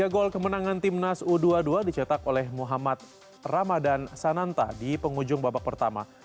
tiga gol kemenangan timnas u dua puluh dua dicetak oleh muhammad ramadan sananta di penghujung babak pertama